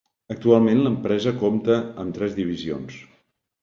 Actualment l'empresa compta amb tres divisions.